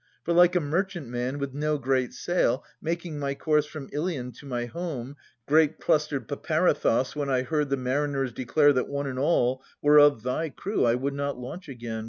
For like a merchantman, with no great sail. Making my course from Ilion to my home, Grape clustered Peparethos, when I heard The mariners declare that one and all Were of thy crew, I would not launch again.